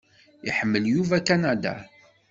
Iḥemmel Yuba Kanada.